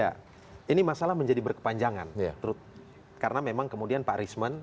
ya ini masalah menjadi berkepanjangan karena memang kemudian pak risman